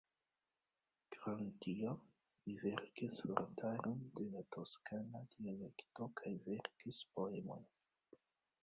Krom tio, li verkis vortaron de la toskana dialekto kaj verkis poemojn.